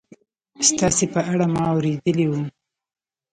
ستاسې په اړه ما اورېدلي و